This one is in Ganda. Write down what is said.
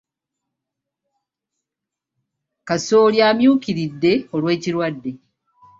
Kasooli amyukiridde olw'ekirwadde.